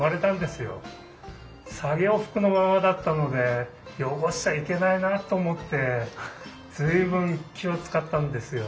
作業服のままだったので汚しちゃいけないなあと思って随分気を遣ったんですよ。